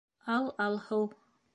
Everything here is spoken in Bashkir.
Ал, алһыу